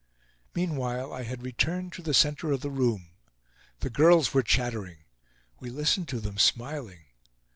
Meanwhile I had returned to the center of the room. The girls were chattering. We listened to them, smiling.